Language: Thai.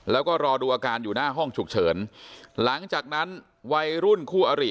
แล้วก็รอดูอาการอยู่หน้าห้องฉุกเฉินหลังจากนั้นวัยรุ่นคู่อริ